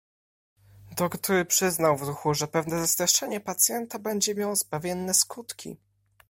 "Doktór przyznał w duchu, że pewne zastraszenie pacjenta będzie miało zbawienne skutki."